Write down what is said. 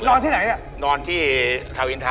นอนที่ไหนน่ะนอนที่เทาอินเทา